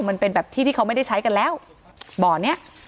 มันเป็นแบบที่ที่เขาไม่ได้ใช้กันแล้วบ่อเนี้ย